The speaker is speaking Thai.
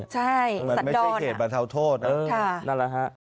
ใช่สัตว์ดอนมันไม่ใช่เหตุบรรเทาโทษนั่นแหละ